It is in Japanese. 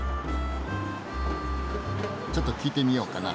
ちょっと聞いてみようかな。